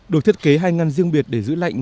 được thiết kế hai ngăn riêng biệt để giữ lạnh